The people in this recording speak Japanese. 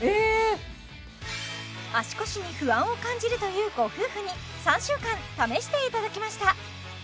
足腰に不安を感じるというご夫婦に３週間試していただきました